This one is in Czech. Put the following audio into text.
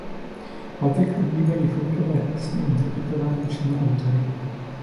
Obvykle bývají folkové písně interpretovány přímo autory.